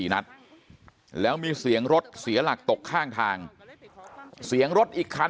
นัดแล้วมีเสียงรถเสียหลักตกข้างทางเสียงรถอีกคัน